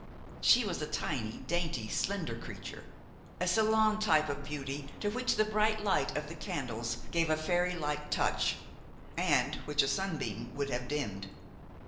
She was a tiny, dainty, slender creature; a salon type of beauty to which the bright light of the candles gave a fairylike touch, and which a sunbeam would have dimmed.